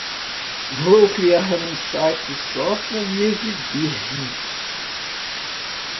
Vou criar um site só para me exibir!